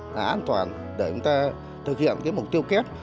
là an toàn để chúng ta thực hiện cái mục tiêu kép